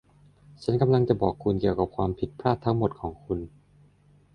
ฉันกำลังจะบอกคุณเกี่ยวกับความผิดพลาดทั้งหมดของคุณ